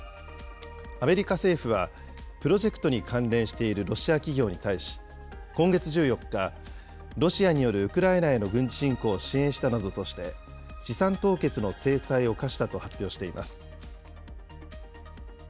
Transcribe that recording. アメリカ政府は、プロジェクトに関連しているロシア企業に対し、今月１４日、ロシアによるウクライナへの軍事侵攻を支援したなどとして、資産凍結の制裁を科したと発表しています。